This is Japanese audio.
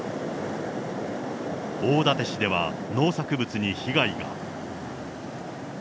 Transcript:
大館市では、農作物に被害が。